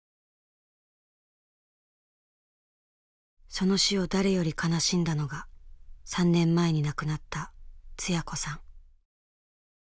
その死を誰より悲しんだのが３年前に亡くなったツヤ子さん。